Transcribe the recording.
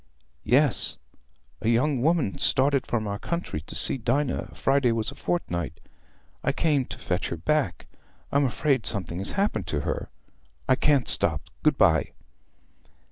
"Yes; a young woman started from our country to see Dinah, Friday was a fortnight. I came to fetch her back. I'm afraid something has happened to her. I can't stop. Good bye."